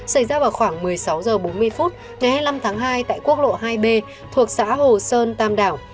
xảy ra vào khoảng một mươi sáu h bốn mươi phút ngày hai mươi năm tháng hai tại quốc lộ hai b thuộc xã hồ sơn tam đảo